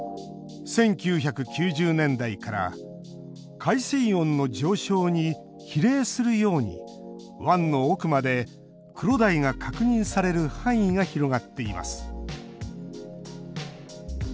１９９０年代から海水温の上昇に比例するように湾の奥までクロダイが確認される範囲が広がっています。